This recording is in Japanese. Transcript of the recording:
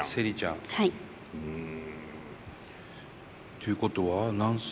ということは何歳？